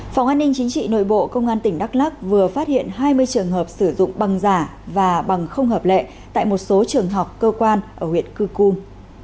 phòng an ninh chính trị nội bộ công an tỉnh đắk lắc vừa phát hiện hai mươi trường hợp sử dụng bằng giả và bằng không hợp lệ tại một số trường học cơ quan ở huyện cư cum